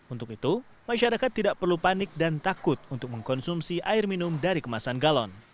untuk itu masyarakat tidak perlu panik dan takut untuk mengkonsumsi air minum dari kemasan galon